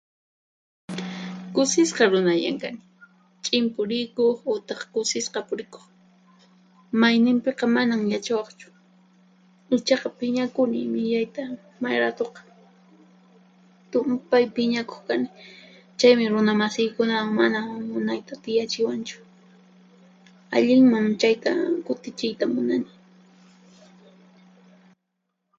Kusisqa runallan kani, ch'in purikuq utaq kusisqa purikuq. Mayninpiqa manan yachawaqchu. Ichaqa phiñakuni millayta mayratuqa. Tumpay phiñakuq kani, chaymi runamasiykunawan mana munayta tiyachiwanchu. Allinman chayta kutichiyta munani.